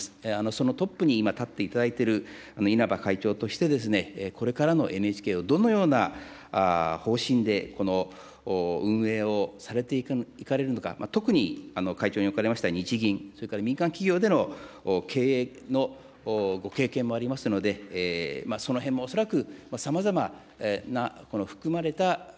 そのトップに今、立っていただいている稲葉会長として、これからのＮＨＫをどのような方針で運営をされていかれるのか、特に会長におかれましては、日銀、それから民間企業での経営のご経験もありますので、そのへんも恐らくさまざま含まれた方針になるかと思います。